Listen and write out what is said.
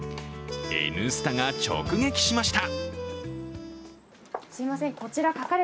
「Ｎスタ」が直撃しました。